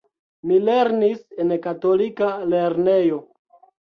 Mi lernis en katolika lernejo.